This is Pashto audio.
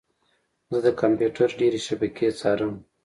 زه د کمپیوټر ډیرې شبکې څارم.